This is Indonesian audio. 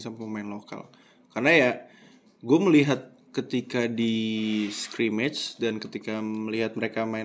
sama pemain lokal karena ya gue melihat ketika di scree match dan ketika melihat mereka main